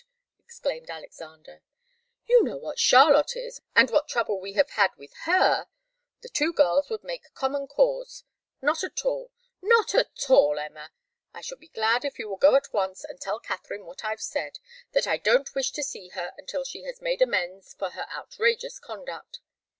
exclaimed Alexander. "You know what Charlotte is, and what trouble we have had with her. The two girls would make common cause. Not at all. Not at all, Emma. I shall be glad if you will go at once and tell Katharine what I've said that I don't wish to see her until she has made amends for her outrageous conduct."